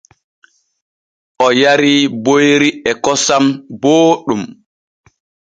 O yarii boyri e kosam booɗɗum.